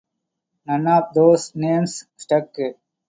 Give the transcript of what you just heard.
None of those names stuck.